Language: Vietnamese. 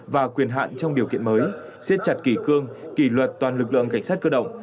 và quyền hạn trong điều kiện mới xếp chặt kỳ cương kỳ luật toàn lực lượng cảnh sát cơ động